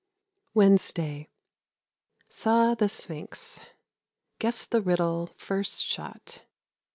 Wednesday. Saw the Sphinx. Guessed the riddle first shot.